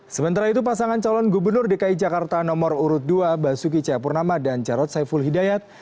sementara itu pasangan calon gubernur dki jakarta nomor urut dua basuki cahayapurnama dan jarod saiful hidayat